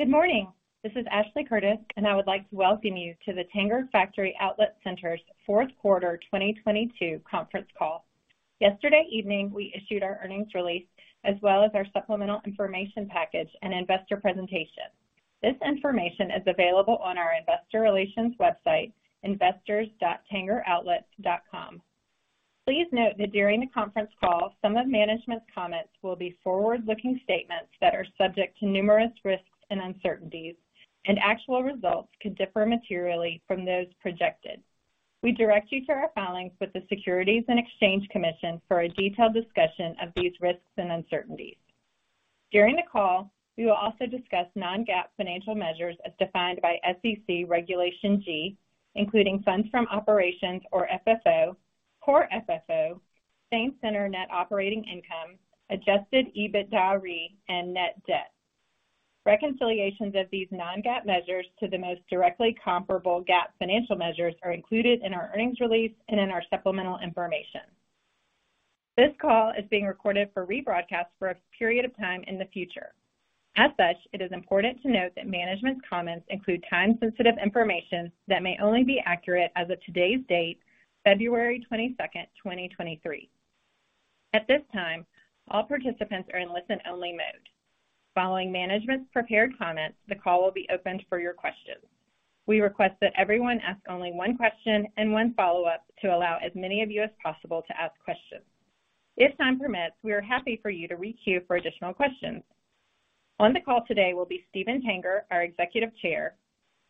Good morning. This is Ashley Curtis, and I would like to welcome you to the Tanger Factory Outlet Centers' Q4, 2022 Conference Call. Yesterday evening, we issued our earnings release, as well as our supplemental information package and investor presentation. This information is available on our investor relations website, investors.tangeroutlets.com. Please note that during the conference call, some of management's comments will be forward-looking statements that are subject to numerous risks and uncertainties, and actual results could differ materially from those projected. We direct you to our filings with the Securities and Exchange Commission for a detailed discussion of these risks and uncertainties. During the call, we will also discuss non-GAAP financial measures as defined by SEC Regulation G, including Funds From Operations or FFO, Core FFO, Same-Center Net Operating Income, Adjusted EBITDAre, and Net Debt. Reconciliations of these non-GAAP measures to the most directly comparable GAAP financial measures are included in our earnings release and in our supplemental information. This call is being recorded for rebroadcast for a period of time in the future. It is important to note that management's comments include time-sensitive information that may only be accurate as of today's date, February 22nd, 2023. At this time, all participants are in listen-only mode. Following management's prepared comments, the call will be opened for your questions. We request that everyone ask only one question and one follow-up to allow as many of you as possible to ask questions. If time permits, we are happy for you to re-queue for additional questions. On the call today will be Stephen Tanger, our Executive Chair,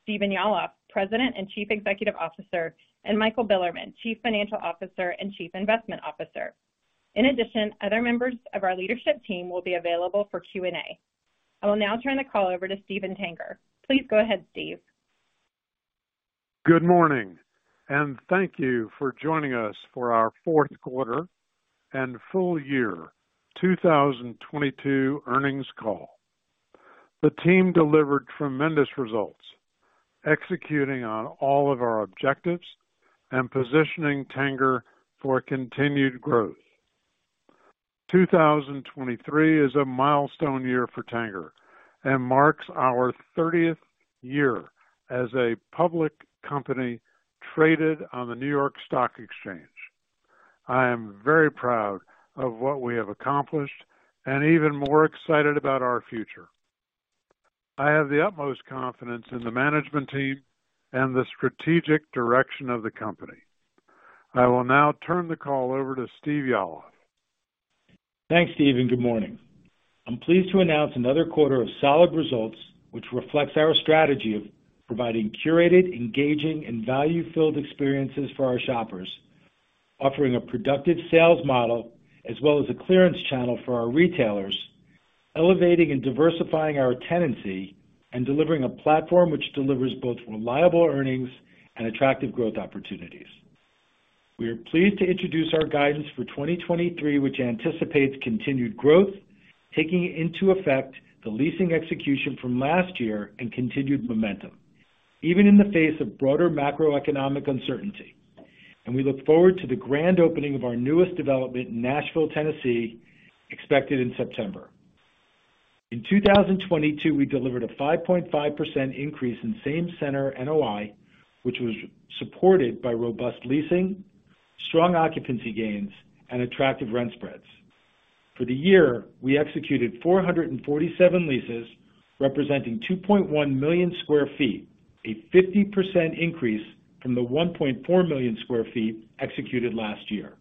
Stephen Yalof, President and Chief Executive Officer, and Michael Bilerman, Chief Financial Officer and Chief Investment Officer. In addition, other members of our leadership team will be available for Q&A. I will now turn the call over to Stephen Tanger. Please go ahead, Steve. Good morning. Thank you for joining us for our Q4 and full year 2022 earnings call. The team delivered tremendous results, executing on all of our objectives and positioning Tanger for continued growth. 2023 is a milestone year for Tanger and marks our 30th year as a public company traded on the New York Stock Exchange. I am very proud of what we have accomplished and even more excited about our future. I have the utmost confidence in the management team and the strategic direction of the company. I will now turn the call over to Steve Yalof. Thanks, Steve, good morning. I'm pleased to announce another quarter of solid results, which reflects our strategy of providing curated, engaging, and value-filled experiences for our shoppers. Offering a productive sales model as well as a clearance channel for our retailers, elevating and diversifying our tenancy, and delivering a platform which delivers both reliable earnings and attractive growth opportunities. We are pleased to introduce our guidance for 2023, which anticipates continued growth, taking into effect the leasing execution from last year and continued momentum, even in the face of broader macroeconomic uncertainty. We look forward to the grand opening of our newest development in Nashville, Tennessee, expected in September. In 2022, we delivered a 5.5% increase in Same-Center NOI, which was supported by robust leasing, strong occupancy gains, and attractive rent spreads. For the year, we executed 447 leases, representing 2.1 million sq ft, a 50% increase from the 1.4 million sq ft executed last year.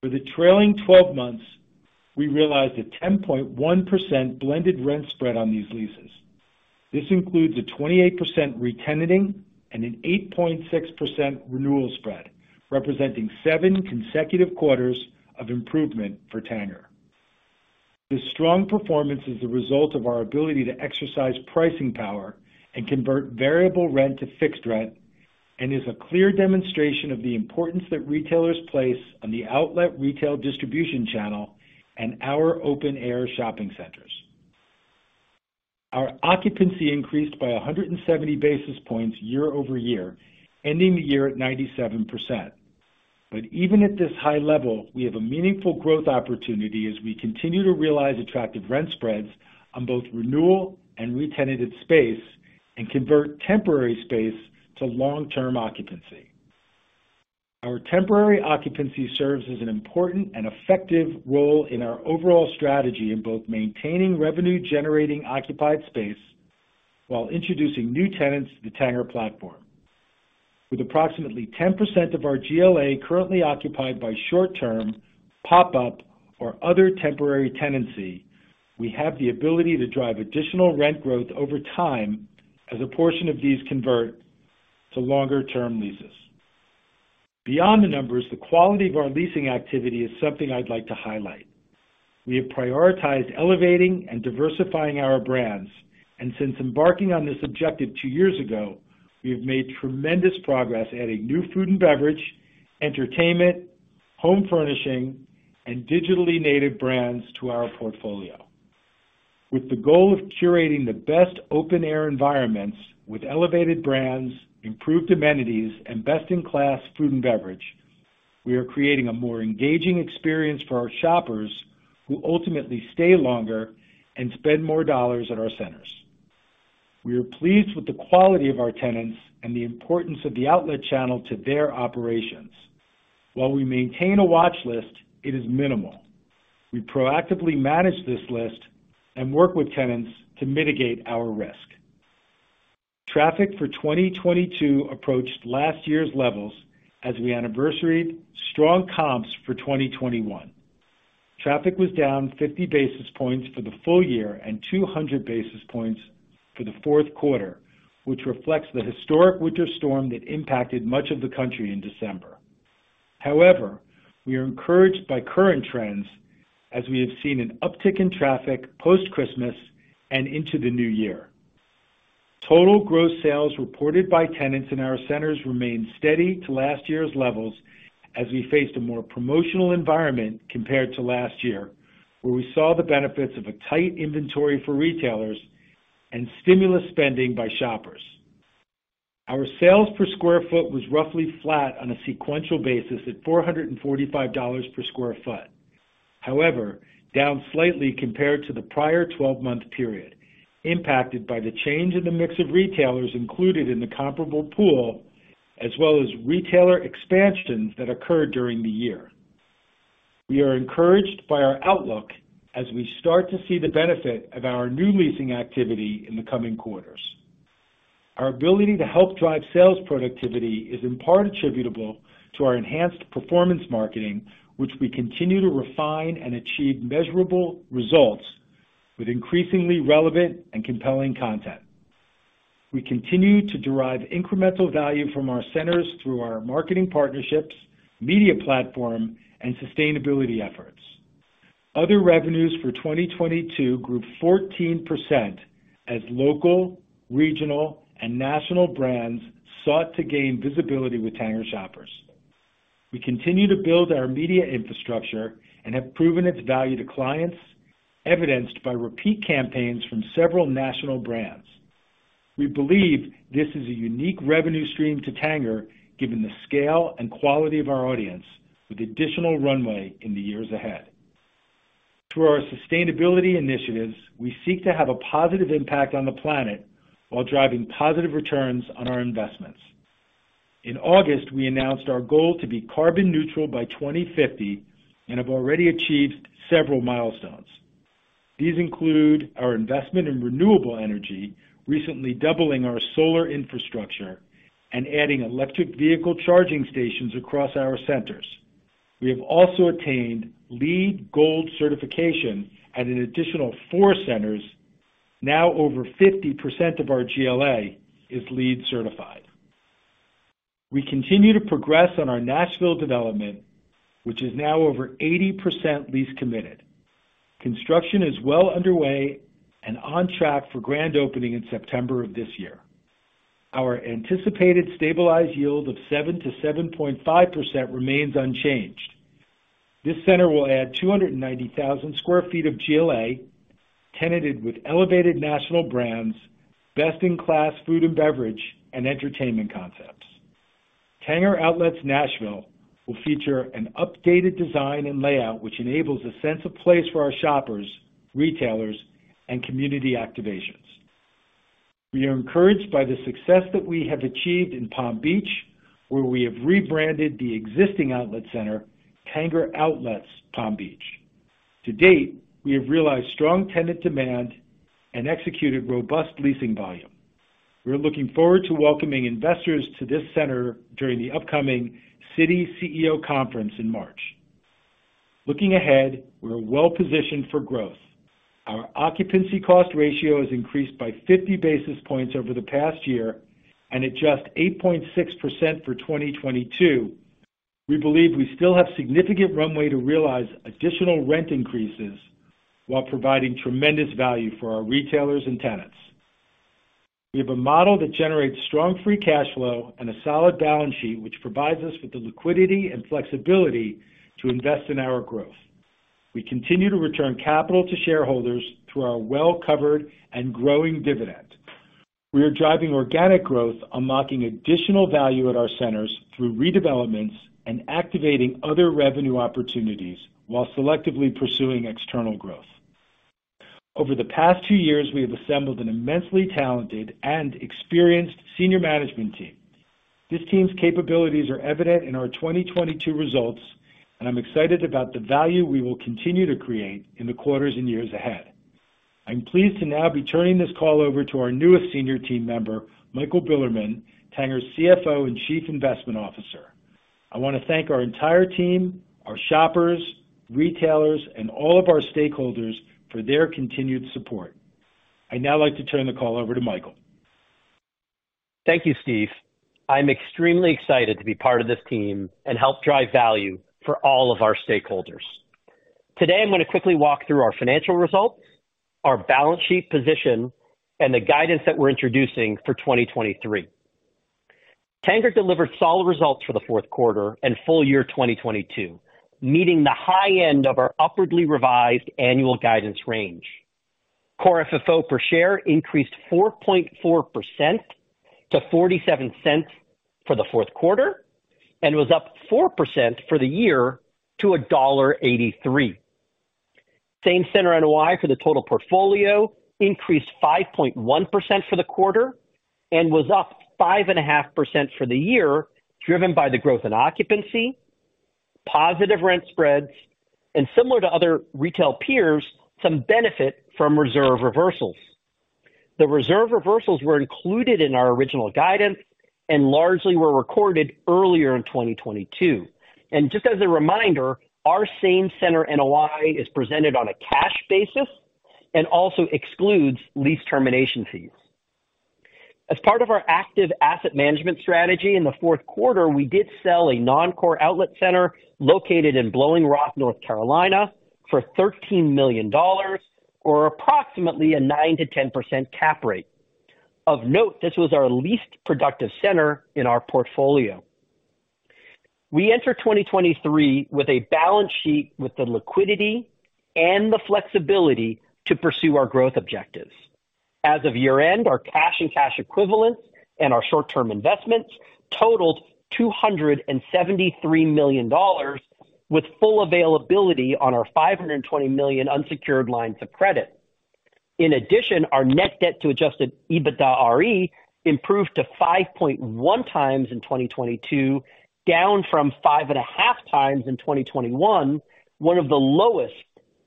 For the trailing 12 months, we realized a 10.1% blended rent spread on these leases. This includes a 28% re-tenanted and an 8.6% renewal spread, representing seven consecutive quarters of improvement for Tanger. This strong performance is the result of our ability to exercise pricing power and convert variable rent to fixed rent, and is a clear demonstration of the importance that retailers place on the outlet retail distribution channel and our open-air shopping centers. Our occupancy increased by 170 basis points year-over-year, ending the year at 97%. Even at this high level, we have a meaningful growth opportunity as we continue to realize attractive rent spreads on both renewal and re-tenanted space and convert temporary space to long-term occupancy. Our temporary occupancy serves as an important and effective role in our overall strategy in both maintaining revenue generating occupied space while introducing new tenants to the Tanger platform. With approximately 10% of our GLA currently occupied by short-term pop-up or other temporary tenancy, we have the ability to drive additional rent growth over time as a portion of these convert to longer-term leases. Beyond the numbers, the quality of our leasing activity is something I'd like to highlight. We have prioritized elevating and diversifying our brands, and since embarking on this objective two years ago, we have made tremendous progress, adding new food and beverage, entertainment, home furnishing, and digitally native brands to our portfolio. With the goal of curating the best open-air environments with elevated brands, improved amenities, and best-in-class food and beverage. We are creating a more engaging experience for our shoppers who ultimately stay longer and spend more dollars at our centers. We are pleased with the quality of our tenants and the importance of the outlet channel to their operations. While we maintain a watch list, it is minimal. We proactively manage this list and work with tenants to mitigate our risk. Traffic for 2022 approached last year's levels as we anniversaried strong comps for 2021. Traffic was down 50 basis points for the full year and 200 basis points for the Q4, which reflects the historic winter storm that impacted much of the country in December. We are encouraged by current trends as we have seen an uptick in traffic post-Christmas and into the new year. Total gross sales reported by tenants in our centers remained steady to last year's levels as we faced a more promotional environment compared to last year, where we saw the benefits of a tight inventory for retailers and stimulus spending by shoppers. Our sales per sq ft was roughly flat on a sequential basis at $445 per sq ft. Down slightly compared to the prior 12-month period, impacted by the change in the mix of retailers included in the comparable pool, as well as retailer expansions that occurred during the year. We are encouraged by our outlook as we start to see the benefit of our new leasing activity in the coming quarters. Our ability to help drive sales productivity is in part attributable to our enhanced performance marketing, which we continue to refine and achieve measurable results with increasingly relevant and compelling content. We continue to derive incremental value from our centers through our marketing partnerships, media platform, and sustainability efforts. Other revenues for 2022 grew 14% as local, regional, and national brands sought to gain visibility with Tanger shoppers. We continue to build our media infrastructure and have proven its value to clients, evidenced by repeat campaigns from several national brands. We believe this is a unique revenue stream to Tanger, given the scale and quality of our audience with additional runway in the years ahead. Through our sustainability initiatives, we seek to have a positive impact on the planet while driving positive returns on our investments. In August, we announced our goal to be carbon neutral by 2050 and have already achieved several milestones. These include our investment in renewable energy, recently doubling our solar infrastructure and adding electric vehicle charging stations across our centers. We have also attained LEED Gold certification at an additional four centers. Now over 50% of our GLA is LEED certified. We continue to progress on our Nashville development, which is now over 80% lease committed. Construction is well underway and on track for grand opening in September of this year. Our anticipated stabilized yield of 7%-7.5% remains unchanged. This center will add 290,000 sq ft of GLA tenanted with elevated national brands, best-in-class food and beverage and entertainment concepts. Tanger Outlets Nashville will feature an updated design and layout which enables a sense of place for our shoppers, retailers, and community activations. We are encouraged by the success that we have achieved in Palm Beach, where we have rebranded the existing outlet center, Tanger Outlets Palm Beach. To date, we have realized strong tenant demand and executed robust leasing volume. We're looking forward to welcoming investors to this center during the upcoming Citi CEO Conference in March. Looking ahead, we're well-positioned for growth. Our occupancy cost ratio has increased by 50 basis points over the past year, and at just 8.6% for 2022, we believe we still have significant runway to realize additional rent increases while providing tremendous value for our retailers and tenants. We have a model that generates strong free cash flow and a solid balance sheet, which provides us with the liquidity and flexibility to invest in our growth. We continue to return capital to shareholders through our well-covered and growing dividend. We are driving organic growth, unlocking additional value at our centers through redevelopments and activating other revenue opportunities while selectively pursuing external growth. Over the past two years, we have assembled an immensely talented and experienced senior management team. This team's capabilities are evident in our 2022 results, and I'm excited about the value we will continue to create in the quarters and years ahead. I'm pleased to now be turning this call over to our newest senior team member, Michael Bilerman, Tanger's CFO and Chief Investment Officer. I want to thank our entire team, our shoppers, retailers, and all of our stakeholders for their continued support. I'd now like to turn the call over to Michael. Thank you, Steve. I'm extremely excited to be part of this team and help drive value for all of our stakeholders. Today, I'm going to quickly walk through our financial results, our balance sheet position, and the guidance that we're introducing for 2023. Tanger delivered solid results for the Q4 and full year 2022, meeting the high end of our upwardly revised annual guidance range. Core FFO per share increased 4.4% to $0.47 for the Q4, and was up 4% for the year to $1.83. Same-Center NOI for the total portfolio increased 5.1% for the quarter and was up 5.5% for the year, driven by the growth in occupancy, positive rent spreads, and similar to other retail peers, some benefit from reserve reversals. The reserve reversals were included in our original guidance and largely were recorded earlier in 2022. Just as a reminder, our Same-Center NOI is presented on a cash basis and also excludes lease termination fees. As part of our active asset management strategy in the Q4, we did sell a non-core outlet center located in Blowing Rock, North Carolina, for $13 million, or approximately a 9%-10% cap rate. Of note, this was our least productive center in our portfolio. We enter 2023 with a balance sheet with the liquidity and the flexibility to pursue our growth objectives. As of year-end, our cash and cash equivalents and our short-term investments totaled $273 million, with full availability on our $520 million unsecured lines of credit. In addition, our net debt to Adjusted EBITDAre improved to 5.1x in 2022, down from 5.5x in 2021, one of the lowest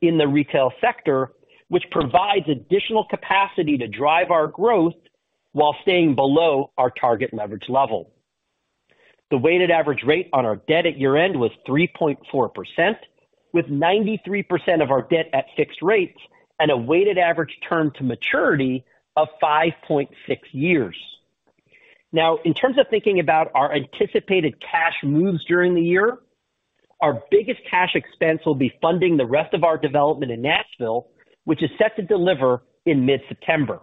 in the retail sector, which provides additional capacity to drive our growth while staying below our target leverage level. The weighted average rate on our debt at year-end was 3.4%, with 93% of our debt at fixed rates and a weighted average term to maturity of 5.6 years. In terms of thinking about our anticipated cash moves during the year, our biggest cash expense will be funding the rest of our development in Nashville, which is set to deliver in mid-September.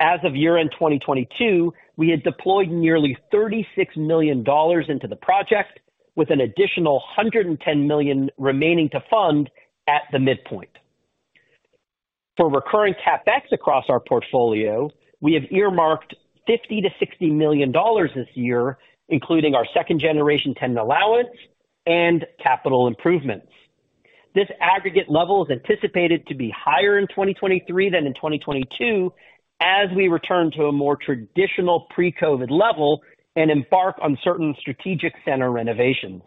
As of year-end 2022, we had deployed nearly $36 million into the project with an additional $110 million remaining to fund at the midpoint. For recurring CapEx across our portfolio, we have earmarked $50 million-$60 million this year, including our second generation tenant allowance and capital improvements. This aggregate level is anticipated to be higher in 2023 than in 2022 as we return to a more traditional pre-COVID level and embark on certain strategic center renovations.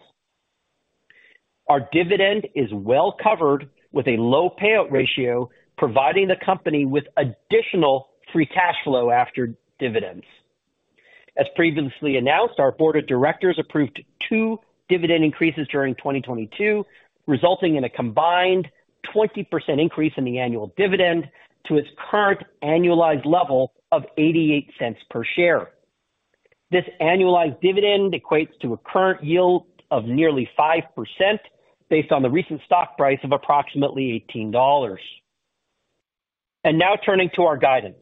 Our dividend is well covered with a low payout ratio, providing the company with additional free cash flow after dividends. As previously announced, our board of directors approved two dividend increases during 2022, resulting in a combined 20% increase in the annual dividend to its current annualized level of $0.88 per share. This annualized dividend equates to a current yield of nearly 5% based on the recent stock price of approximately $18. Now turning to our guidance.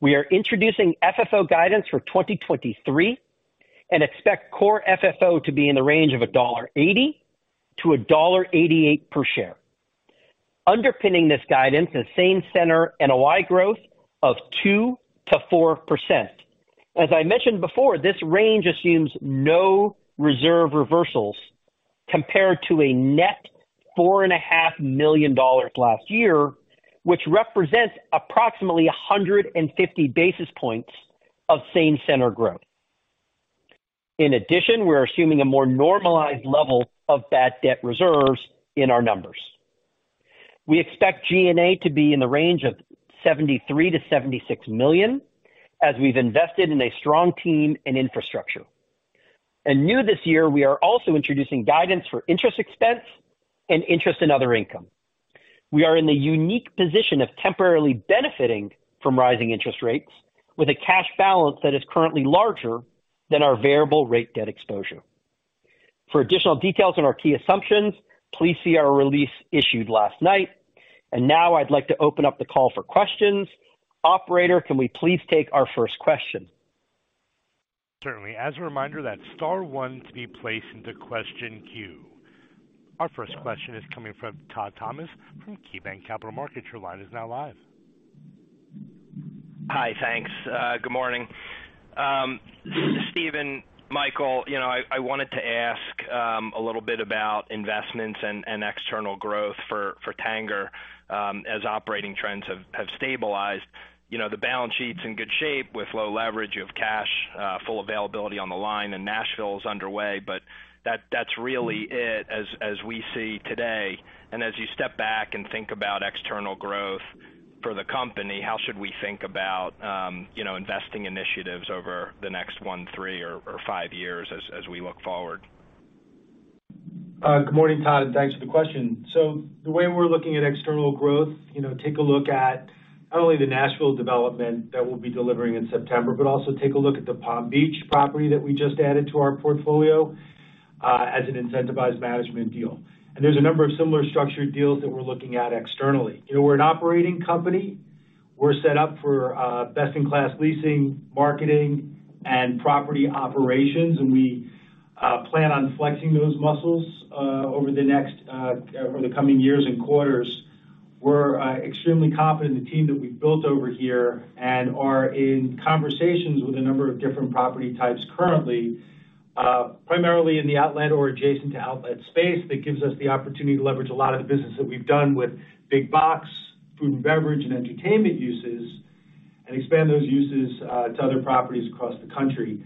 We are introducing FFO guidance for 2023 and expect Core FFO to be in the range of $1.80-$1.88 per share. Underpinning this guidance is Same-Center NOI growth of 2%-4%. As I mentioned before, this range assumes no reserve reversals compared to a net $4.5 million last year, which represents approximately 150 basis points of Same-Center growth. In addition, we're assuming a more normalized level of bad debt reserves in our numbers. We expect G&A to be in the range of $73 million-$76 million as we've invested in a strong team and infrastructure. New this year, we are also introducing guidance for interest expense and interest in other income. We are in the unique position of temporarily benefiting from rising interest rates with a cash balance that is currently larger than our variable rate debt exposure. For additional details on our key assumptions, please see our release issued last night. Now I'd like to open up the call for questions. Operator, can we please take our first question? Certainly. As a reminder, that's star one to be placed into question queue. Our first question is coming from Todd Thomas from KeyBanc Capital Markets. Your line is now live. Hi. Thanks. Good morning. Stephen, Michael, you know, I wanted to ask a little bit about investments and external growth for Tanger as operating trends have stabilized. You know, the balance sheet's in good shape with low leverage. You have cash, full availability on the line, and Nashville is underway. That's really it as we see today. As you step back and think about external growth for the company, how should we think about, you know, investing initiatives over the next one, three, or five years as we look forward? Good morning, Todd, and thanks for the question. The way we're looking at external growth, you know, take a look at not only the Nashville development that we'll be delivering in September, but also take a look at the Palm Beach property that we just added to our portfolio as an incentivized management deal. There's a number of similar structured deals that we're looking at externally. You know, we're an operating company We're set up for best in class leasing, marketing, and property operations and we plan on flexing those muscles over the next or the coming years and quarters. We're extremely confident in the team that we've built over here and are in conversations with a number of different property types currently primarily in the outlet or adjacent to outlet space. That gives us the opportunity to leverage a lot of the business that we've done with big box, food and beverage, and entertainment uses, and expand those uses to other properties across the country.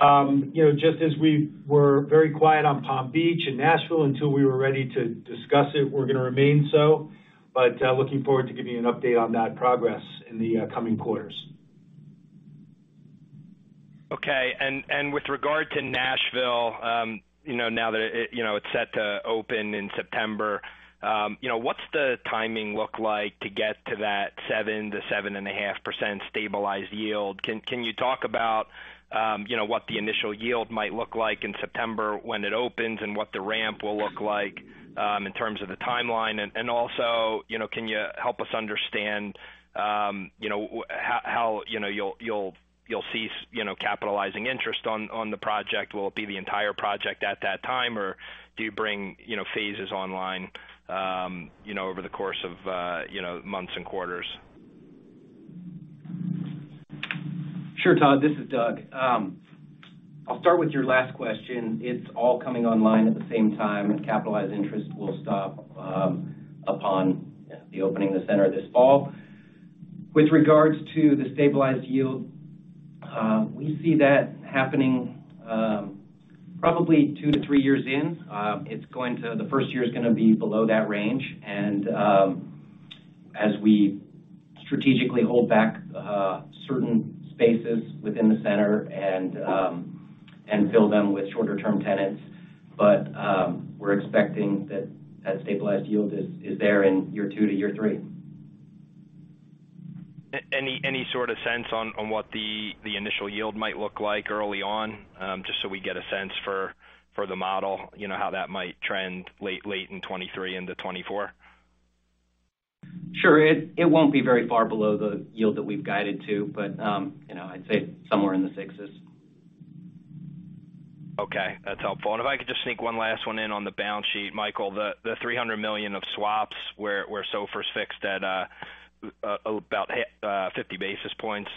You know, just as we were very quiet on Palm Beach and Nashville until we were ready to discuss it, we're gonna remain so. Looking forward to giving you an update on that progress in the coming quarters. Okay. With regard to Nashville, you know, now that it, you know, it's set to open in September, you know, what's the timing look like to get to that 7% to 7.5% stabilized yield? Can you talk about, you know, what the initial yield might look like in September when it opens? What the ramp will look like, in terms of the timeline? Also, you know, can you help us understand, you know, how you'll cease, you know, capitalizing interest on the project? Will it be the entire project at that time, or do you bring, you know, phases online, you know, over the course of, you know, months and quarters? Sure, Todd, this is Doug. I'll start with your last question. It's all coming online at the same time, and capitalized interest will stop upon the opening of the center this fall. With regards to the stabilized yield, we see that happening probably two to three years in. The first year is gonna be below that range and as we strategically hold back certain spaces within the center and fill them with shorter term tenants. We're expecting that stabilized yield is there in year two to year three. Any sort of sense on what the initial yield might look like early on? Just so we get a sense for the model, you know, how that might trend late in 2023 into 2024? Sure. It won't be very far below the yield that we've guided to, but, you know, I'd say somewhere in the sixes. Okay, that's helpful. If I could just sneak one last one in on the balance sheet. Michael, the $300 million of swaps were so first fixed at about 50 basis points.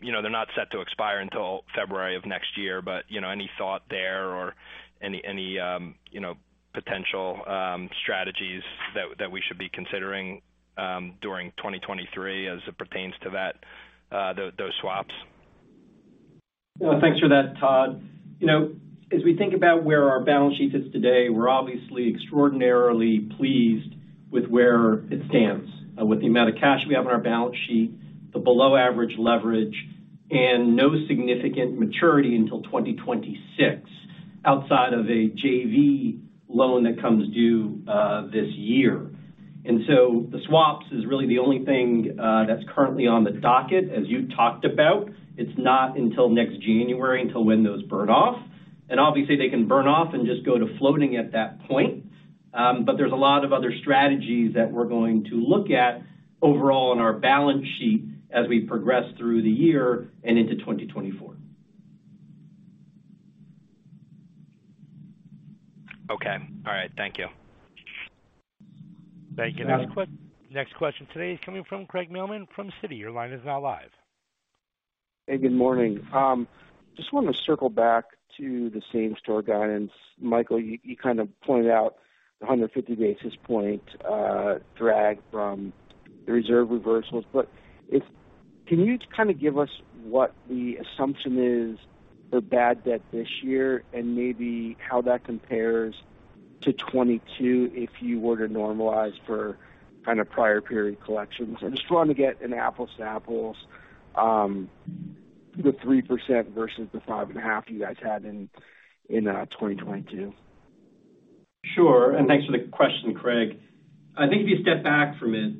You know, they're not set to expire until February of next year, but, you know, any thought there or any, you know, potential strategies that we should be considering during 2023 as it pertains to that those swaps? Well, thanks for that, Todd. You know, as we think about where our balance sheet is today, we're obviously extraordinarily pleased with where it stands, with the amount of cash we have on our balance sheet, the below average leverage, and no significant maturity until 2026, outside of a JV loan that comes due this year. So the swaps is really the only thing that's currently on the docket, as you talked about. It's not until next January until when those burn off. Obviously they can burn off and just go to floating at that point. But there's a lot of other strategies that we're going to look at overall on our balance sheet as we progress through the year and into 2024. Okay. All right. Thank you. Thank you. Next question today is coming from Craig Mailman from Citi. Your line is now live. Hey, good morning. Just wanna circle back to the same store guidance. Michael, you kind of pointed out the 150 basis point drag from the reserve reversals. Can you kind of give us what the assumption is for bad debt this year and maybe how that compares to 2022, if you were to normalize for kind of prior period collections? I just want to get an apples to apples, the 3% versus the 5.5% you guys had in 2022. Sure. Thanks for the question, Craig. I think if you step back from it,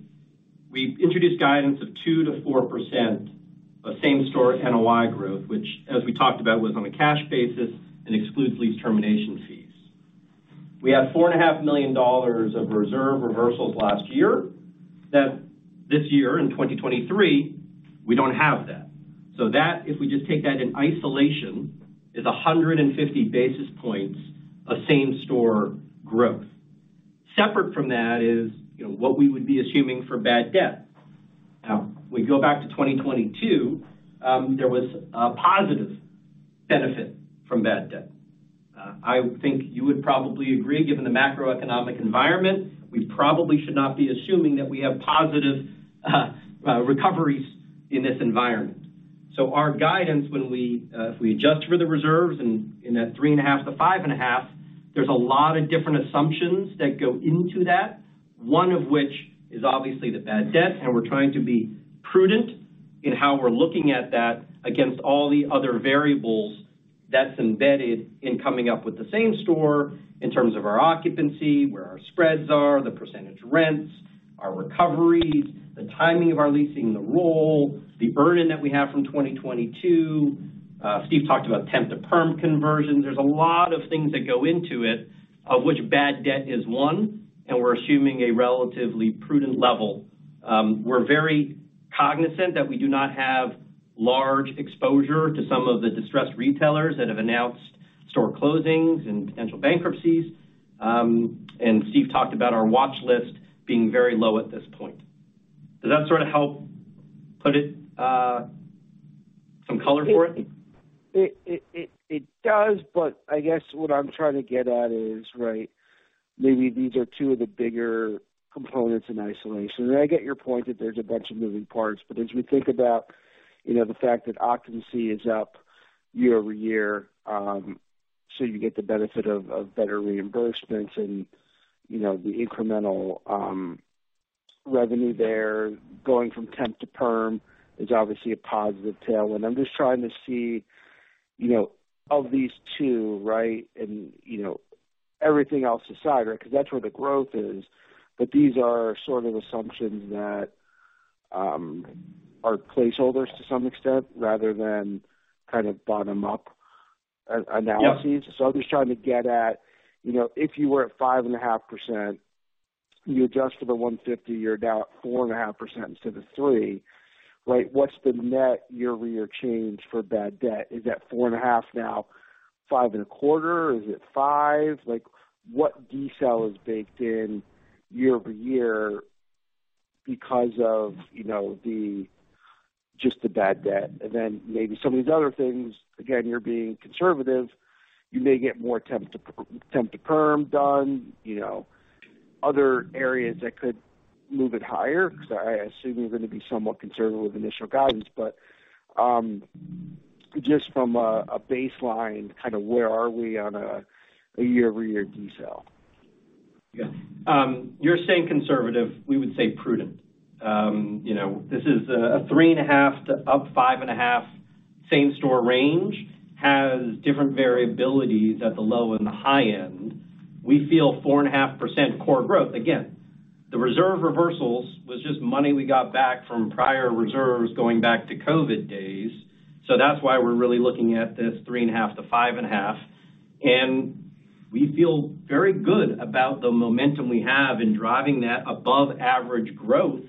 we've introduced guidance of 2% to 4% of Same-Center NOI growth, which, as we talked about, was on a cash basis and excludes lease termination fees. We had $4.5 million of reserve reversals last year, that this year, in 2023, we don't have that. That, if we just take that in isolation, is 150 basis points of Same-Center growth. Separate from that is, you know, what we would be assuming for bad debt. We go back to 2022, there was a positive benefit from bad debt. I think you would probably agree, given the macroeconomic environment, we probably should not be assuming that we have positive recoveries in this environment. Our guidance when we, if we adjust for the reserves in that 3.5 to 5.5, there's a lot of different assumptions that go into that, one of which is obviously the bad debt, and we're trying to be prudent in how we're looking at that against all the other variables that's embedded in coming up with the same store in terms of our occupancy, where our spreads are, the percentage rents, our recoveries, the timing of our leasing, the roll, the burden that we have from 2022. Steve talked about temp to perm conversions. There's a lot of things that go into it, of which bad debt is one, and we're assuming a relatively prudent level. We're very cognizant that we do not have large exposure to some of the distressed retailers that have announced store closings and potential bankruptcies. Steve talked about our watch list being very low at this point. Does that sort of help put it, some color for it? It does, I guess what I'm trying to get at is, right, maybe these are two of the bigger components in isolation. I get your point that there's a bunch of moving parts, but as we think about, you know, the fact that occupancy is up year-over-year, so you get the benefit of better reimbursements and, you know, the incremental revenue there going from temp to perm is obviously a positive tailwind. I'm just trying to see, you know, of these two, right, and, you know, everything else aside, right? Because that's where the growth is. These are sort of assumptions that are placeholders to some extent, rather than kind of bottom-up analysis. Yeah. I'm just trying to get at, you know, if you were at 5.5%, you adjust for the 150, you're now at 4.5% instead of three, right? What's the net year-over-year change for bad debt? Is that 4.5% now 5.25%? Is it 5%? Like, what decel is baked in year-over-year because of, you know, the just the bad debt? And then maybe some of these other things, again, you're being conservative. You may get more temp to perm done, you know, other areas that could move it higher because I assume you're gonna be somewhat conservative with initial guidance. But just from a baseline kind of where are we on a year-over-year decel? You're saying conservative, we would say prudent. You know, this is a 3.5% to up 5.5% same store range has different variabilities at the low and the high end. We feel 4.5% core growth. Again, the reserve reversals was just money we got back from prior reserves going back to COVID days. That's why we're really looking at this 3.5% to 5.5%. We feel very good about the momentum we have in driving that above average growth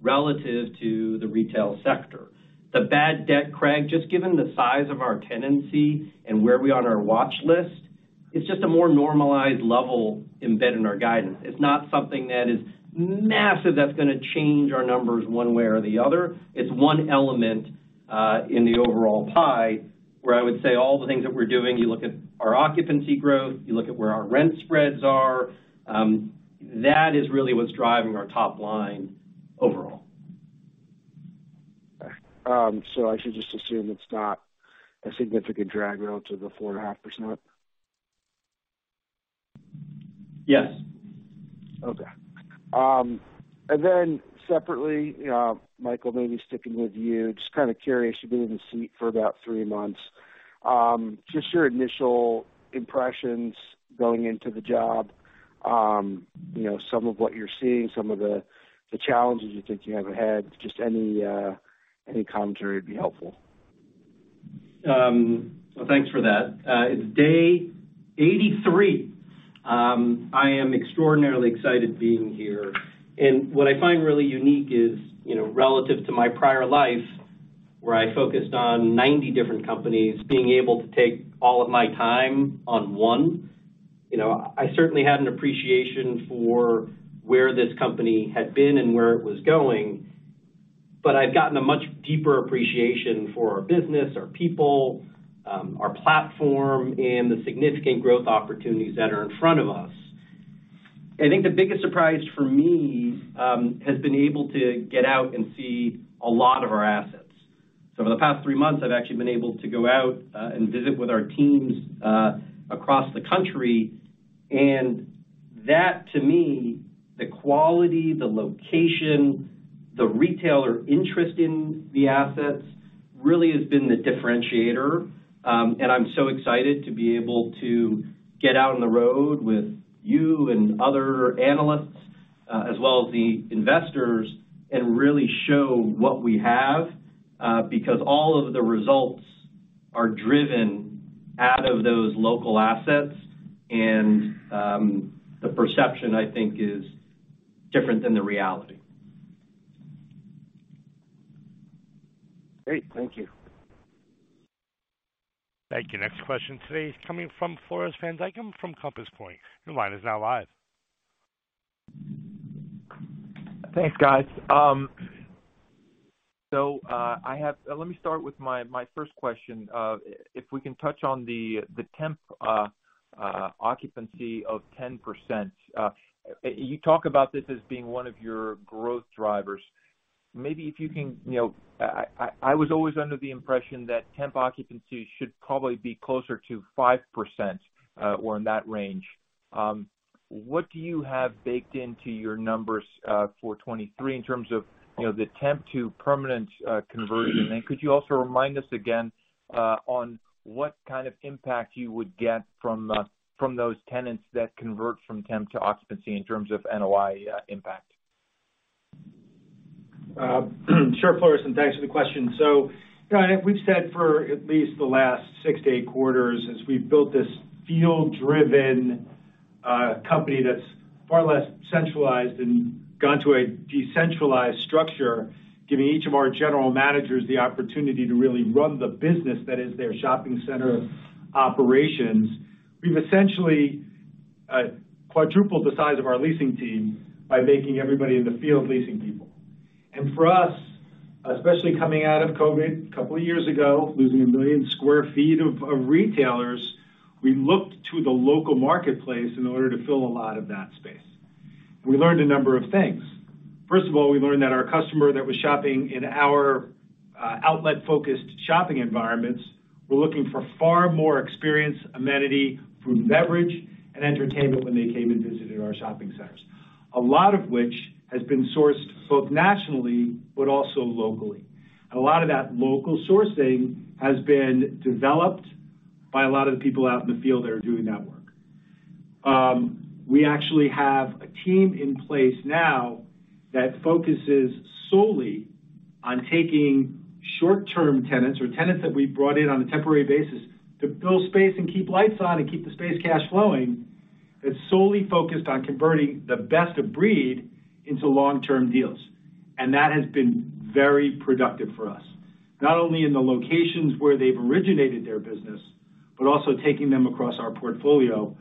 relative to the retail sector. The bad debt, Craig, just given the size of our tenancy and where we are on our watch list, it's just a more normalized level embedded in our guidance. It's not something that is massive that's gonna change our numbers one way or the other. It's one element in the overall pie, where I would say all the things that we're doing, you look at our occupancy growth, you look at where our rent spreads are, that is really what's driving our top line overall. I should just assume it's not a significant drag relative to the 4.5%? Yes. Okay. Separately, Michael, maybe sticking with you, just kind of curious, you've been in the seat for about three months. Just your initial impressions going into the job, you know, some of what you're seeing, some of the challenges you think you haven't had, just any commentary would be helpful? Well, thanks for that. It's day 83. I am extraordinarily excited being here. What I find really unique is, you know, relative to my prior life, where I focused on 90 different companies, being able to take all of my time on one. You know, I certainly had an appreciation for where this company had been and where it was going, but I've gotten a much deeper appreciation for our business, our people, our platform, and the significant growth opportunities that are in front of us. I think the biggest surprise for me has been able to get out and see a lot of our assets. For the past three months, I've actually been able to go out and visit with our teams across the country. That, to me, the quality, the location, the retailer interest in the assets really has been the differentiator. I'm so excited to be able to get out on the road with you and other analysts, as well as the investors, and really show what we have, because all of the results are driven out of those local assets. The perception, I think, is different than the reality. Great. Thank you. Thank you. Next question today is coming from Floris van Dijkum from Compass Point. Your line is now live. Thanks, guys. Let me start with my first question. If we can touch on the temp occupancy of 10%. You talk about this as being one of your growth drivers. Maybe if you can, you know, I was always under the impression that temp occupancy should probably be closer to 5%, or in that range. What do you have baked into your numbers for 2023 in terms of, you know, the temp to permanent conversion? Could you also remind us again on what kind of impact you would get from those tenants that convert from temp to occupancy in terms of NOI impact? Sure, Floris, and thanks for the question. You know, we've said for at least the last six to eight quarters as we've built this field-driven company that's far less centralized and gone to a decentralized structure, giving each of our general managers the opportunity to really run the business that is their shopping center operations. We've essentially quadrupled the size of our leasing team by making everybody in the field leasing people. For us, especially coming out of COVID a couple of years ago, losing 1 million sq ft of retailers, we looked to the local marketplace in order to fill a lot of that space. We learned a number of things. First of all, we learned that our customer that was shopping in our outlet-focused shopping environments were looking for far more experience, amenity, food and beverage, and entertainment when they came and visited our shopping centers. A lot of which has been sourced both nationally but also locally. A lot of that local sourcing has been developed by a lot of the people out in the field that are doing that work. We actually have a team in place now that focuses solely on taking short-term tenants or tenants that we brought in on a temporary basis to build space and keep lights on and keep the space cash flowing. It's solely focused on converting the best of breed into long-term deals, and that has been very productive for us, not only in the locations where they've originated their business, but also taking them across our portfolio,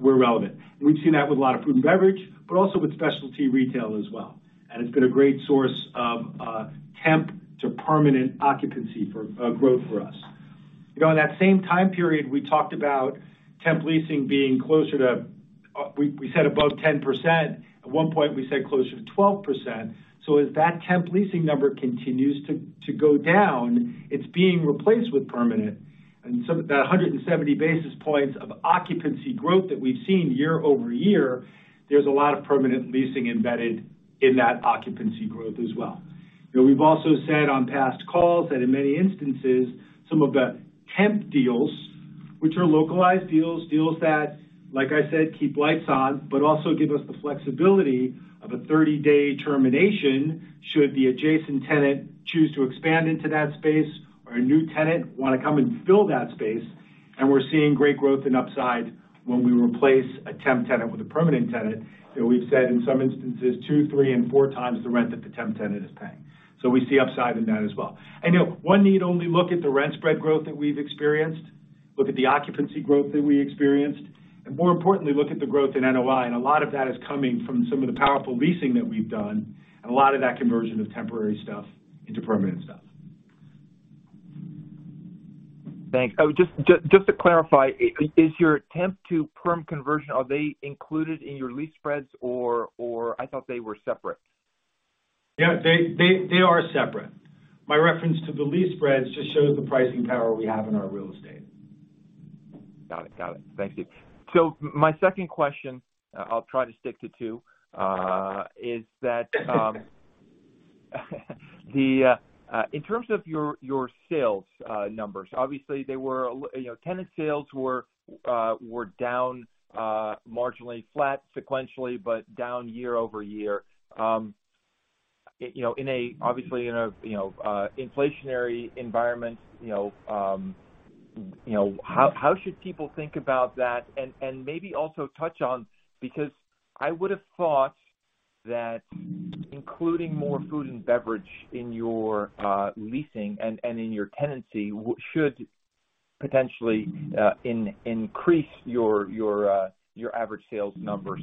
where relevant. We've seen that with a lot of food and beverage, but also with specialty retail as well. It's been a great source of temp to permanent occupancy for growth for us. You know, in that same time period, we talked about temp leasing being closer to, we said above 10%. At one point, we said closer to 12%. As that temp leasing number continues to go down, it's being replaced with permanent. Some of that 170 basis points of occupancy growth that we've seen year-over-year, there's a lot of permanent leasing embedded in that occupancy growth as well. You know, we've also said on past calls that in many instances, some of the temp deals, which are localized deals that, like I said, keep lights on, but also give us the flexibility of a 30-day termination should the adjacent tenant choose to expand into that space or a new tenant wanna come and fill that space. We're seeing great growth in upside when we replace a temp tenant with a permanent tenant that we've set in some instances two, three and four times the rent that the temp tenant is paying. We see upside in that as well. You know, one need only look at the rent spread growth that we've experienced, look at the occupancy growth that we experienced, and more importantly, look at the growth in NOI, and a lot of that is coming from some of the powerful leasing that we've done and a lot of that conversion of temporary stuff into permanent stuff. Thanks. Oh, just to clarify, is your temp to perm conversion, are they included in your lease spreads or I thought they were separate? Yeah, they are separate. My reference to the lease spreads just shows the pricing power we have in our real estate. Got it. Got it. Thank you. My second question, I'll try to stick to two, is that the in terms of your sales numbers, obviously, they were you know, tenant sales were down marginally flat sequentially, but down year-over-year. You know, obviously in a, you know, inflationary environment, you know, how should people think about that? Maybe also touch on, because I would have thought that including more food and beverage in your leasing and in your tenancy should potentially increase your average sales numbers.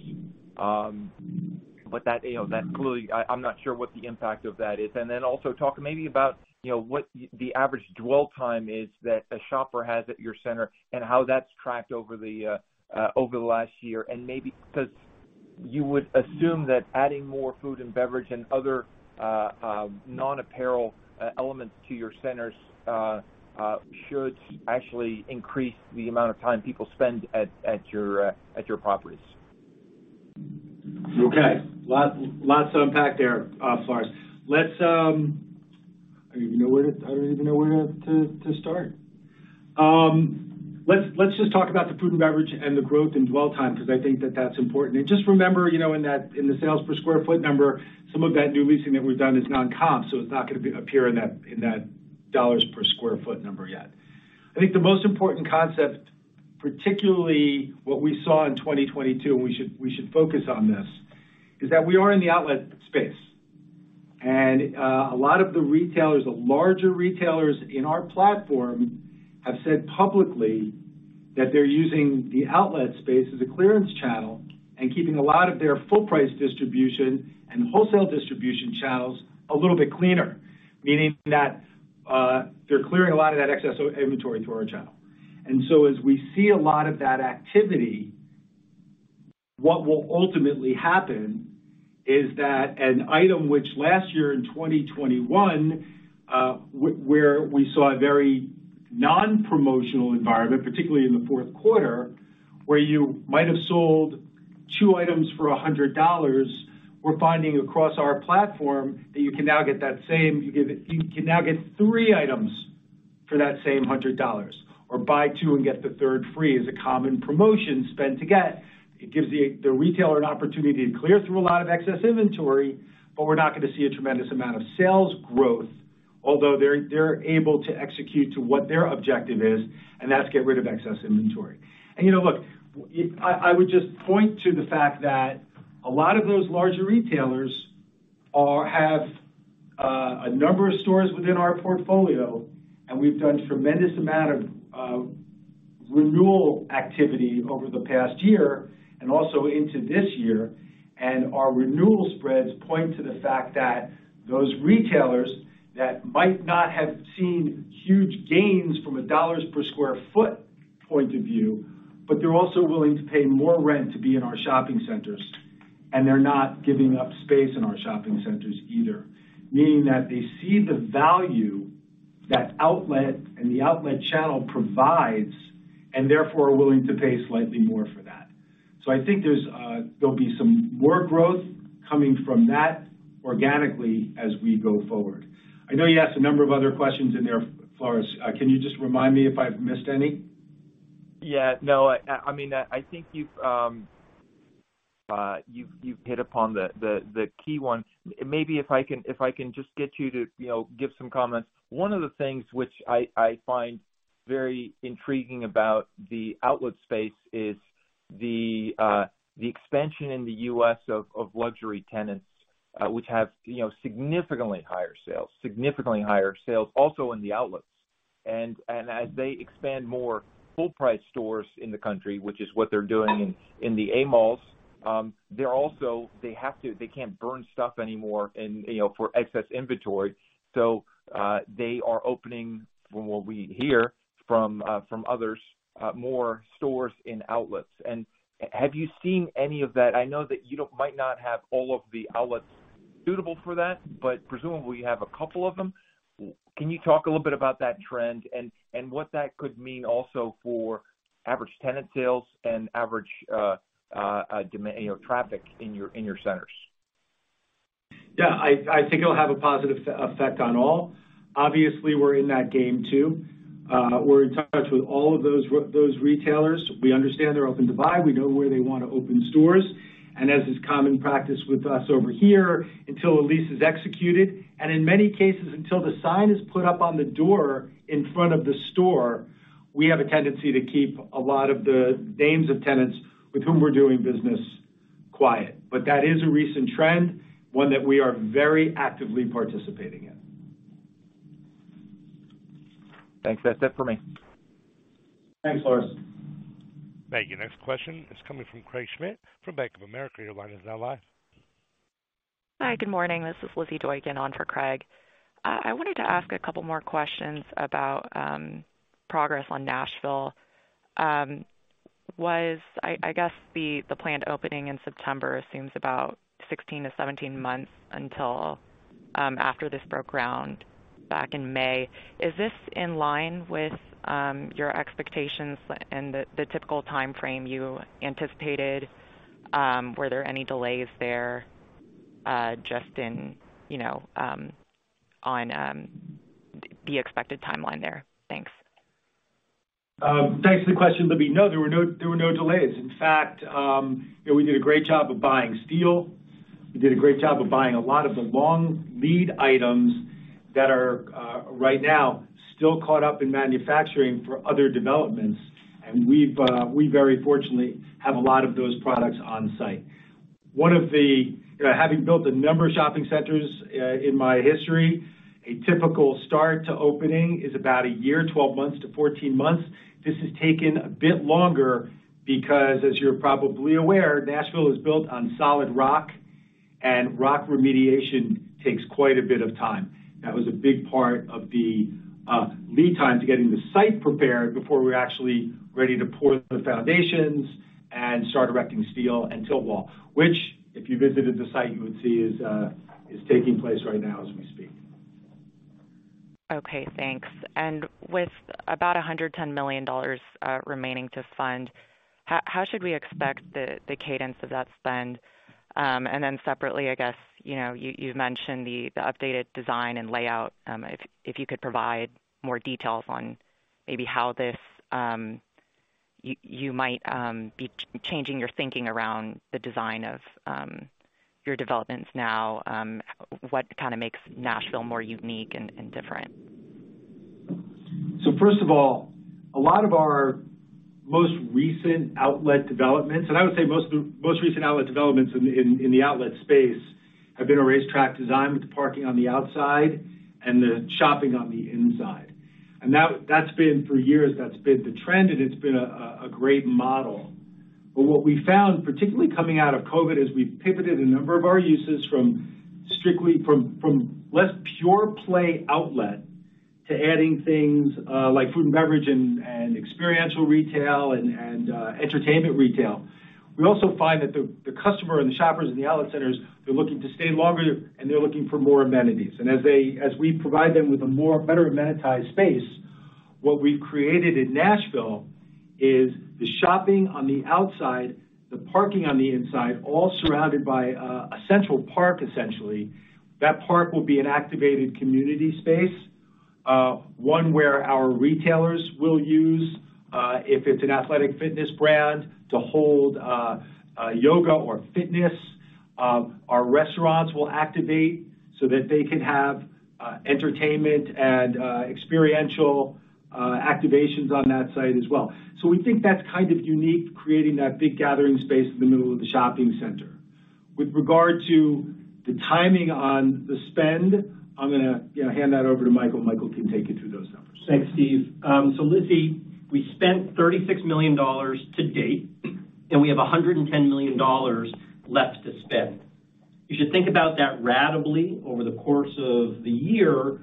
That, you know, that clearly, I'm not sure what the impact of that is. Then also talk maybe about, you know, what the average dwell time is that a shopper has at your center and how that's tracked over the last year. Maybe, 'cause you would assume that adding more food and beverage and other non-apparel elements to your centers should actually increase the amount of time people spend at your properties. Okay. Lots to unpack there, Floris. I don't even know where to start. Let's just talk about the food and beverage and the growth and dwell time because I think that's important. Just remember, you know, in the sales per square foot number, some of that new leasing that we've done is non-comp, so it's not gonna appear in that dollars per square foot number yet. I think the most important concept, particularly what we saw in 2022, and we should focus on this, is that we are in the outlet space. A lot of the retailers, the larger retailers in our platform have said publicly that they're using the outlet space as a clearance channel and keeping a lot of their full price distribution and wholesale distribution channels a little bit cleaner, meaning that they're clearing a lot of that excess inventory through our channel. As we see a lot of that activity, what will ultimately happen is that an item which last year in 2021, where we saw a very non-promotional environment, particularly in the Q4, where you might have sold two items for $100, we're finding across our platform that you can now get that same, you can now get three items for that same $100 or buy two and get the third free as a common promotion spend to get. It gives the retailer an opportunity to clear through a lot of excess inventory. We're not going to see a tremendous amount of sales growth. Although they're able to execute to what their objective is, and that's get rid of excess inventory. You know, look, I would just point to the fact that a lot of those larger retailers have a number of stores within our portfolio, and we've done tremendous amount of renewal activity over the past year and also into this year. Our renewal spreads point to the fact that those retailers that might not have seen huge gains from a dollar per square foot point of view, but they're also willing to pay more rent to be in our shopping centers. They're not giving up space in our shopping centers either, meaning that they see the value that outlet and the outlet channel provides, and therefore are willing to pay slightly more for that. I think there's, there'll be some more growth coming from that organically as we go forward. I know you asked a number of other questions in there, Floris. Can you just remind me if I've missed any? Yeah, no. I mean, I think you've hit upon the key one. Maybe if I can just get you to, you know, give some comments. One of the things which I find very intriguing about the outlet space is the expansion in the U.S. of luxury tenants, which have, you know, significantly higher sales also in the outlets. As they expand more full price stores in the country, which is what they're doing in the A malls, they can't burn stuff anymore and, you know, for excess inventory. They are opening, from what we hear from others, more stores and outlets. Have you seen any of that? I know that might not have all of the outlets suitable for that, presumably you have a couple of them. Can you talk a little bit about that trend and what that could mean also for average tenant sales and average, you know, traffic in your, in your centers? Yeah, I think it'll have a positive effect on all. Obviously, we're in that game too. We're in touch with all of those retailers. We understand their open divide. We know where they wanna open stores. As is common practice with us over here, until a lease is executed, and in many cases, until the sign is put up on the door in front of the store, we have a tendency to keep a lot of the names of tenants with whom we're doing business quiet. That is a recent trend, one that we are very actively participating in. Thanks. That's it for me. Thanks, Floris. Thank you. Next question is coming from Craig Schmidt from Bank of America. Your line is now live. Hi, good morning. This is Liz Doykan on for Craig. I wanted to ask a couple more questions about progress on Nashville. I guess, the planned opening in September assumes about 16-17 months until after this broke ground back in May. Is this in line with your expectations and the typical timeframe you anticipated? Were there any delays there, just in, you know, on the expected timeline there? Thanks. Thanks for the question, Lizzie. No, there were no delays. In fact, you know, we did a great job of buying steel. We did a great job of buying a lot of the long lead items that are right now still caught up in manufacturing for other developments. We've very fortunately have a lot of those products on site. You know, having built a number of shopping centers in my history, a typical start to opening is about a year, 12 months to 14 months. This has taken a bit longer because, as you're probably aware, Nashville is built on solid rock, and rock remediation takes quite a bit of time. That was a big part of the lead time to getting the site prepared before we're actually ready to pour the foundations and start erecting steel and tilt wall, which, if you visited the site, you would see is taking place right now as we speak. Okay, thanks. With about $110 million remaining to fund, how should we expect the cadence of that spend? Then separately, I guess, you know, you've mentioned the updated design and layout. If you could provide more details on maybe how this, you might be changing your thinking around the design of your developments now, what kinda makes Nashville more unique and different? First of all, a lot of our most recent outlet developments, and I would say most of the most recent outlet developments in the outlet space, have been a racetrack design with the parking on the outside and the shopping on the inside. That's been for years, that's been the trend, and it's been a great model. What we found, particularly coming out of COVID, is we've pivoted a number of our uses from strictly from less pure play outlet to adding things like food and beverage and experiential retail and entertainment retail. We also find that the customer and the shoppers in the outlet centers, they're looking to stay longer, and they're looking for more amenities. As we provide them with a more better amenitized space, what we've created in Nashville is the shopping on the outside, the parking on the inside, all surrounded by a central park, essentially. That park will be an activated community space. One where our retailers will use, if it's an athletic fitness brand, to hold a yoga or fitness. Our restaurants will activate so that they can have entertainment and experiential activations on that site as well. We think that's kind of unique, creating that big gathering space in the middle of the shopping center. With regard to the timing on the spend, I'm gonna, you know, hand that over to Michael. Michael can take you through those numbers. Thanks, Steve. Lizzie, we spent $36 million to date, and we have $110 million left to spend. You should think about that ratably over the course of the year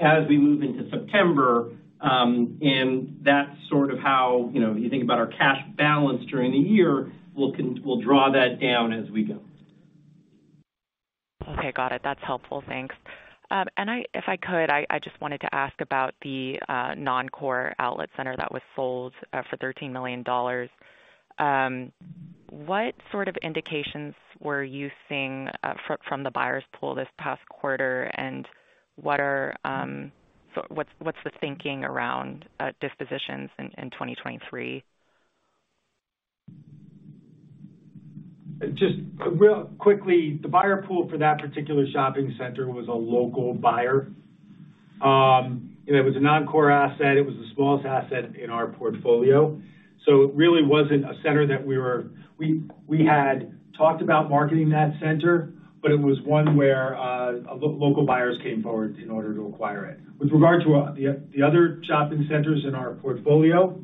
as we move into September. That's sort of how, you know, you think about our cash balance during the year. We'll draw that down as we go. Okay, got it. That's helpful. Thanks. If I could, I just wanted to ask about the non-core outlet center that was sold for $13 million. What sort of indications were you seeing from the buyers pool this past quarter, and what's the thinking around dispositions in 2023? Just real quickly, the buyer pool for that particular shopping center was a local buyer. It was a non-core asset. It was the smallest asset in our portfolio. It really wasn't a center that we had talked about marketing that center, but it was one where local buyers came forward in order to acquire it. With regard to the other shopping centers in our portfolio,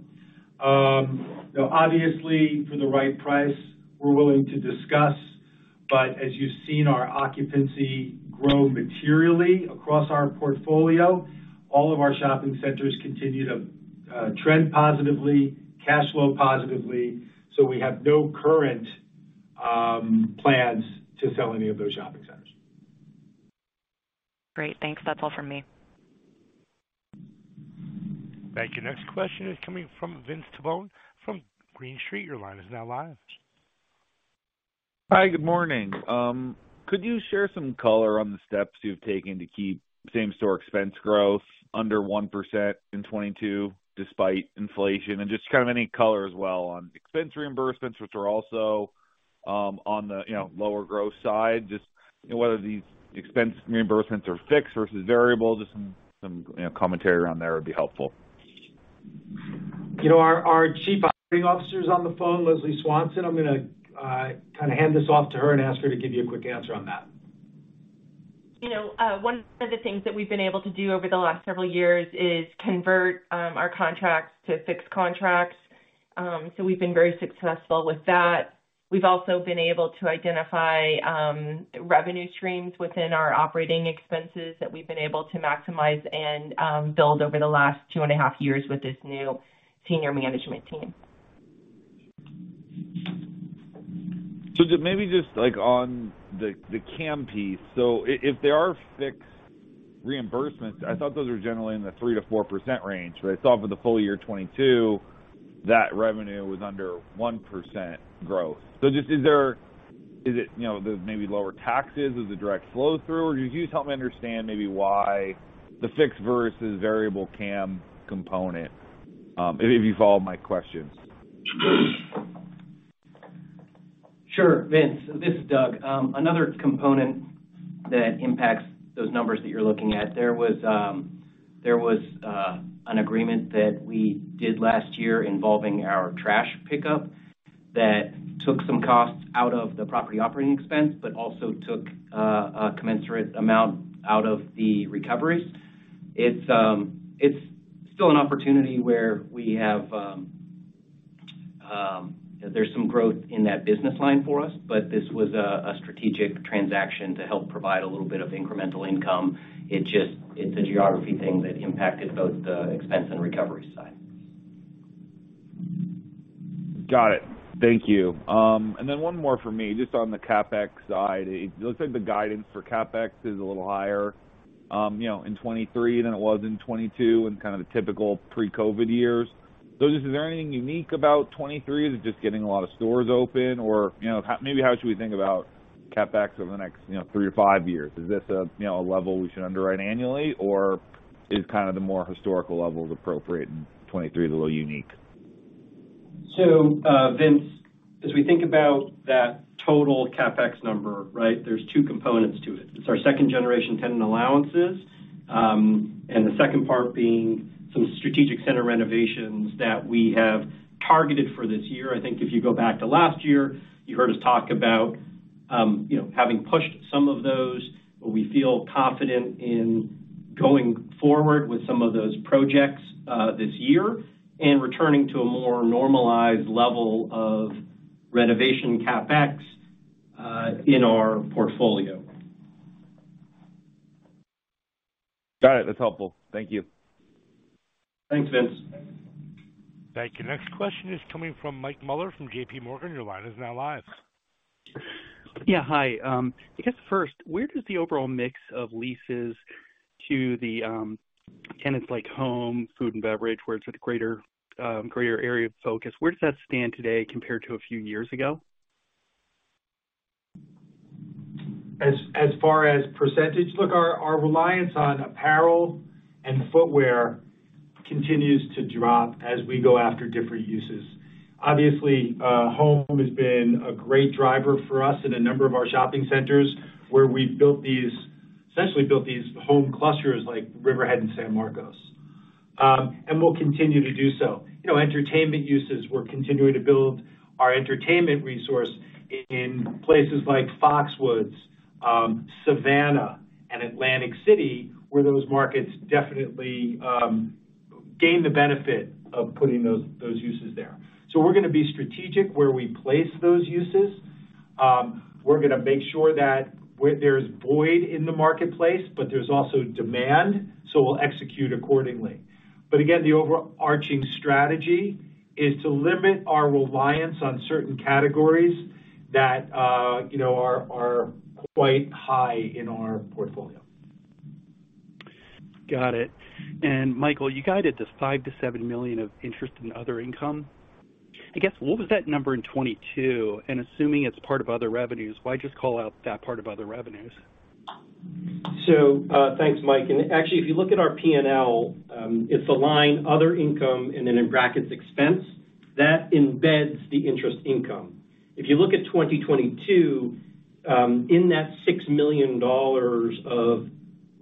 you know, obviously for the right price, we're willing to discuss. As you've seen our occupancy grow materially across our portfolio, all of our shopping centers continue to trend positively, cash flow positively. We have no current plans to sell any of those shopping centers. Great. Thanks. That's all from me. Thank you. Next question is coming from Vince Tibone from Green Street. Your line is now live. Hi, good morning. Could you share some color on the steps you've taken to keep same-store expense growth under 1% in 2022 despite inflation? Just kind of any color as well on expense reimbursements, which are also on the, you know, lower growth side. Just, you know, whether these expense reimbursements are fixed versus variable. Just some, you know, commentary around there would be helpful. You know, our Chief Operating Officer is on the phone, Leslie Swanson. I'm gonna kind of hand this off to her and ask her to give you a quick answer on that. You know, one of the things that we've been able to do over the last several years is convert our contracts to fixed contracts. We've been very successful with that. We've also been able to identify, revenue streams within our operating expenses that we've been able to maximize and build over the last two and a half years with this new senior management team. Just maybe just like on the CAM piece. If there are fixed reimbursements, I thought those were generally in the 3%-4% range. I saw for the full year 2022, that revenue was under 1% growth. Just is it, you know, the maybe lower taxes? Is it direct flow through? Could you just help me understand maybe why the fixed versus variable CAM component, if you follow my questions? Sure, Vince. This is Doug. Another component that impacts those numbers that you're looking at, there was an agreement that we did last year involving our trash pickup that took some costs out of the property operating expense, but also took a commensurate amount out of the recoveries. It's still an opportunity where we have some growth in that business line for us, but this was a strategic transaction to help provide a little bit of incremental income. It's a geography thing that impacted both the expense and recovery side. Got it. Thank you. One more for me, just on the CapEx side. It looks like the guidance for CapEx is a little higher, you know, in 2023 than it was in 2022 and kind of the typical pre-COVID years. Just is there anything unique about 2023? Is it just getting a lot of stores open? Or, you know, maybe how should we think about CapEx over the next, you know, three to five years? Is this a, you know, a level we should underwrite annually, or is kind of the more historical level appropriate, and 2023 is a little unique? Vince, as we think about that total CapEx number, right, there's two components to it. It's our second-generation tenant allowances, and the second part being some strategic center renovations that we have targeted for this year. I think if you go back to last year, you heard us talk about, you know, having pushed some of those, but we feel confident in going forward with some of those projects, this year and returning to a more normalized level of renovation CapEx, in our portfolio. Got it. That's helpful. Thank you. Thanks, Vince. Thank you. Next question is coming from Michael Mueller from JPMorgan. Your line is now live. Hi. I guess first, where does the overall mix of leases to the tenants like home, food, and beverage, where it's with greater area of focus, where does that stand today compared to a few years ago? As far as percentage, look, our reliance on apparel and footwear continues to drop as we go after different uses. Obviously, home has been a great driver for us in a number of our shopping centers where we've essentially built these home clusters like Riverhead and San Marcos. We'll continue to do so. You know, entertainment uses, we're continuing to build our entertainment resource in places like Foxwoods, Savannah, and Atlantic City, where those markets definitely gain the benefit of putting those uses there. We're gonna be strategic where we place those uses. We're gonna make sure that where there's void in the marketplace, but there's also demand, so we'll execute accordingly. Again, the overarching strategy is to limit our reliance on certain categories that, you know, are quite high in our portfolio. Got it. Michael, you guided to $5 million-$7 million of interest in other income. I guess, what was that number in 2022? Assuming it's part of other revenues, why just call out that part of other revenues? Thanks, Mike. Actually, if you look at our P&L, it's the line other income and then in brackets expense. That embeds the interest income. If you look at 2022, in that $6 million of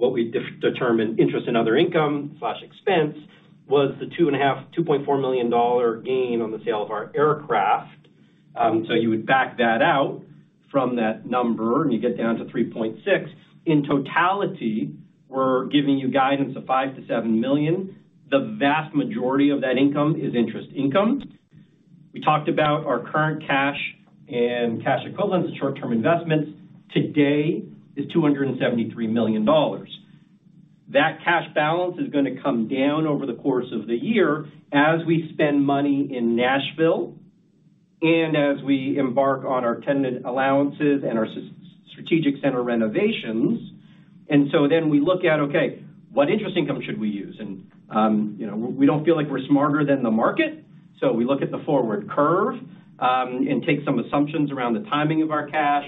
what we de-determine interest in other income/expense was the $2.4 million gain on the sale of our aircraft. You would back that out from that number, and you get down to $3.6 million. In totality, we're giving you guidance of $5 million-$7 million. The vast majority of that income is interest income. We talked about our current cash and cash equivalents and short-term investments today is $273 million. That cash balance is gonna come down over the course of the year as we spend money in Nashville and as we embark on our tenant allowances and our strategic center renovations. We look at, okay, what interest income should we use? You know, we don't feel like we're smarter than the market. We look at the forward curve and take some assumptions around the timing of our cash,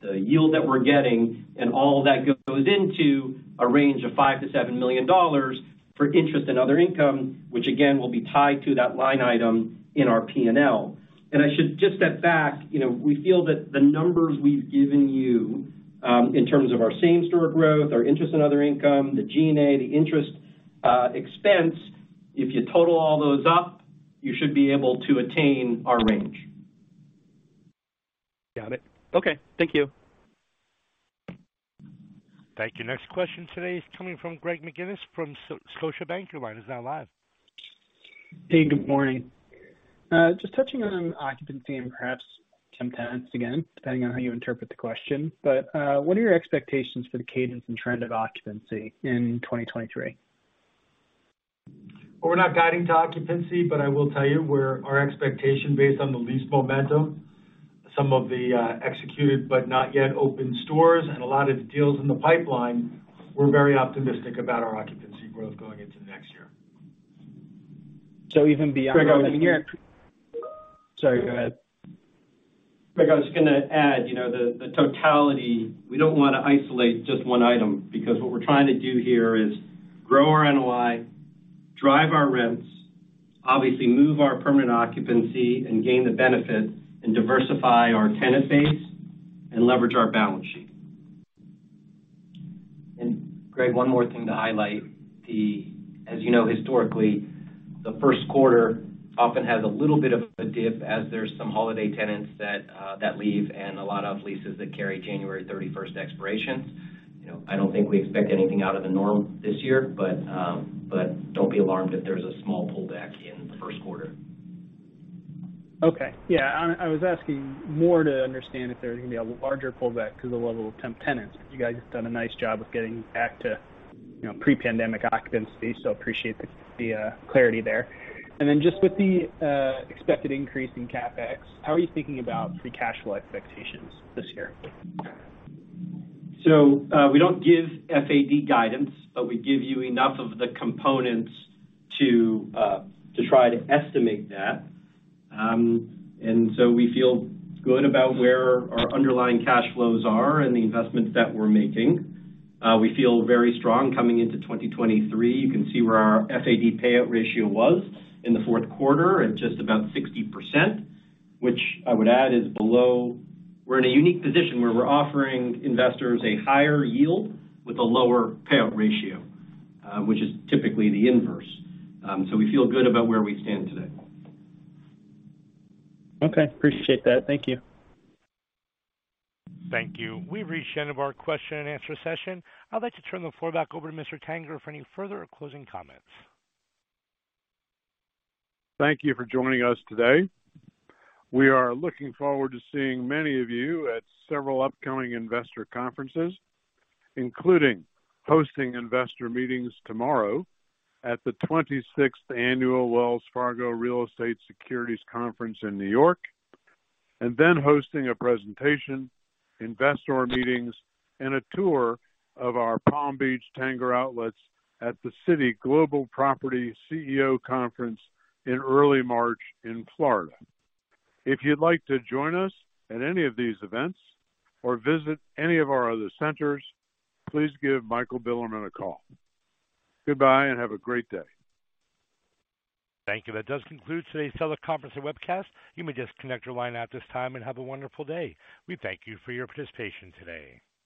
the yield that we're getting, and all that goes into a range of $5 million-$7 million for interest and other income, which again, will be tied to that line item in our P&L. I should just step back. You know, we feel that the numbers we've given you, in terms of our same-store growth, our interest and other income, the G&A, the interest expense, if you total all those up, you should be able to attain our range. Got it. Okay. Thank you. Thank you. Next question today is coming from Greg McGinniss from Scotiabank. Your line is now live. Hey, good morning. Just touching on occupancy and perhaps some tenants, again, depending on how you interpret the question. What are your expectations for the cadence and trend of occupancy in 2023? We're not guiding to occupancy, but I will tell you where our expectation based on the lease momentum. Some of the executed but not yet open stores and a lot of the deals in the pipeline, we're very optimistic about our occupancy growth going into next year. So even beyond- Greg, I was- Sorry, go ahead. Greg, I was just gonna add, you know, the totality, we don't wanna isolate just one item because what we're trying to do here is grow our NOI, drive our rents, obviously move our permanent occupancy and gain the benefit and diversify our tenant base and leverage our balance sheet. Greg, one more thing to highlight. As you know, historically, the Q1 often has a little bit of a dip as there's some holiday tenants that leave and a lot of leases that carry January 31st expirations. You know, I don't think we expect anything out of the norm this year, but don't be alarmed if there's a small pullback in the Q1. Okay. Yeah. I was asking more to understand if there's gonna be a larger pullback to the level of temp tenants. You guys have done a nice job of getting back to, you know, pre-pandemic occupancy. Appreciate the clarity there. Just with the expected increase in CapEx, how are you thinking about free cash flow expectations this year? We don't give FAD guidance, but we give you enough of the components to try to estimate that. We feel good about where our underlying cash flows are and the investments that we're making. We feel very strong coming into 2023. You can see where our FAD payout ratio was in the Q4 at just about 60%, which I would add is below. We're in a unique position where we're offering investors a higher yield with a lower payout ratio, which is typically the inverse. We feel good about where we stand today. Okay. Appreciate that. Thank you. Thank you. We've reached the end of our question and answer session. I'd like to turn the floor back over to Mr. Tanger for any further closing comments. Thank you for joining us today. We are looking forward to seeing many of you at several upcoming investor conferences, including hosting investor meetings tomorrow at the 26th Annual Wells Fargo Real Estate Securities Conference in New York, and then hosting a presentation, investor meetings, and a tour of our Tanger Outlets Palm Beach at the Citi Global Property CEO Conference in early March in Florida. If you'd like to join us at any of these events or visit any of our other centers, please give Michael Bilerman a call. Goodbye, and have a great day. Thank you. That does conclude today's teleconference and webcast. You may disconnect your line at this time and have a wonderful day. We thank you for your participation today.